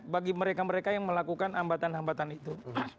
bagi mereka mereka yang melakukan hambatan hambatan itu